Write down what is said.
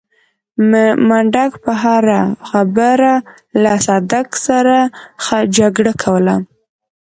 منډک به پر هره خبره له صدک سره جګړه کوله.